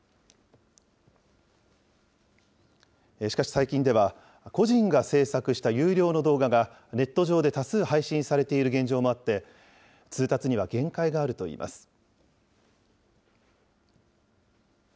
しかし、最近では、個人が制作した有料の動画がネット上で多数配信されている現状もあって、通達には限界があるといいます。